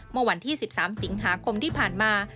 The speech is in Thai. เมื่อวันที่๑๓สิงหาคมที่ผ่านมา